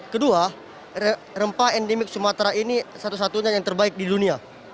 kedua rempah endemik sumatera ini satu satunya yang terbaik di dunia